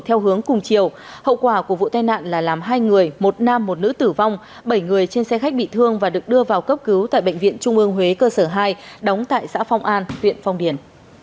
theo hướng cùng chiều hậu quả của vụ tai nạn là làm hai người một nam một nữ tử vong bảy người trên xe khách bị thương và được đưa vào cấp cứu tại bệnh viện trung ương huế cơ sở hai đóng tại xã phong an huyện phong điền